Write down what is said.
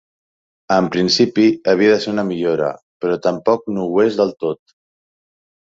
En principi havia de ser una millora, però tampoc no ho és del tot.